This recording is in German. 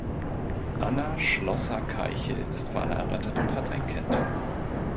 Anna Schlosser-Keichel ist verheiratet und hat ein Kind.